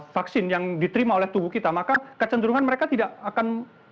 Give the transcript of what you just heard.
vaksin yang diterima oleh tubuh kita maka kecenderungan mereka tidak akan